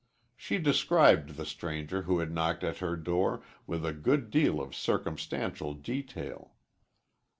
She described the stranger who had knocked at her door with a good deal of circumstantial detail.